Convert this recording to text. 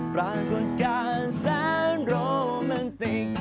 ปรากฏการณ์แสนโรแมนติก